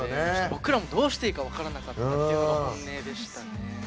僕らも、どうしていいか分からなかったっていうのが本音でしたね。